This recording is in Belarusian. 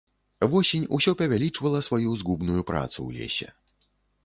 Восень усё павялічвала сваю згубную працу ў лесе.